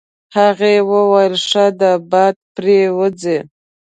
هغه وویل: ښه ده باد پرې وځي.